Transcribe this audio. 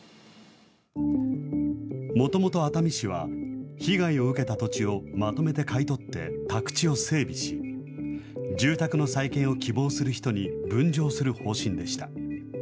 もともと熱海市は、被害を受けた土地をまとめて買い取って宅地を整備し、住宅の再建を希望する人に分譲する方針でした。